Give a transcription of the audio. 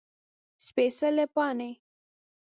سپيڅلي پاڼې